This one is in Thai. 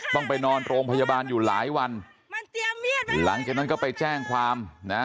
ต้องไปนอนโรงพยาบาลอยู่หลายวันหลังจากนั้นก็ไปแจ้งความนะ